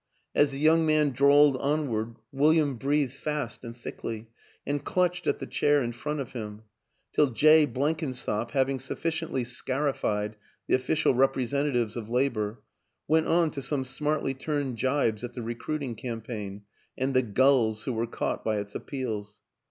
As the young man drawled onward William breathed fast and thickly and clutched at the chair in front of him; till Jay Blenkinsop, having suffi ciently scarified the official representatives of Labor, went on to some smartly turned gibes at the recruiting campaign and the gulls who were caught by its appeals.